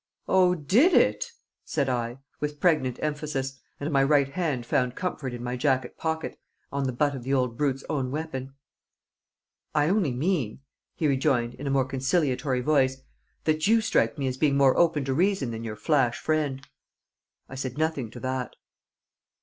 "Oh, did it!" said I, with pregnant emphasis, and my right hand found comfort in my jacket pocket, on the butt of the old brute's own weapon. "I only mean," he rejoined, in a more conciliatory voice, "that you strike me as being more open to reason than your flash friend." I said nothing to that.